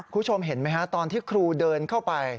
คุณผู้ชมเห็นไหมฮะตอนที่ครูเดินเข้าไป